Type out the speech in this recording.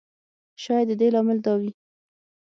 شاید د دې لامل دا وي.